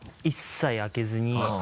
一切開けずに。